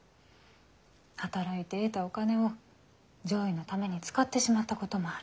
働いて得たお金を攘夷のために使ってしまったこともある。